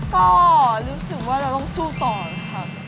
ก็รู้สึกว่าเราต้องสู้ก่อนครับ